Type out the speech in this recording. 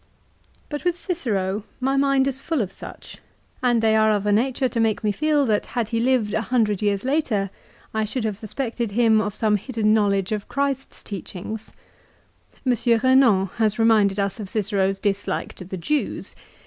But with Cicero my mind is full of such, and they are of a nature to make me feel that had he lived a hundred years later I should have suspected him of some hidden knowledge of Christ's teachings. M. Eenan has reminded us of Cicero's dislike to the Jews.